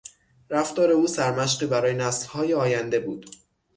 رفتار او سرمشقی برای نسلهای آینده بود.